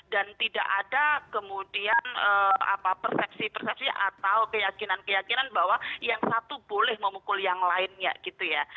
dan tidak ada kemudian persepsi persepsi atau keyakinan keyakinan bahwa yang satu boleh memukul yang lainnya gitu ya